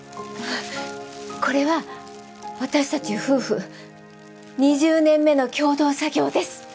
これは私たち夫婦２０年目の共同作業です。